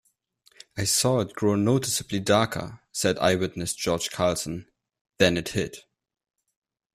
"I saw it grow noticeably darker," said eyewitness George Carlson, "Then it hit.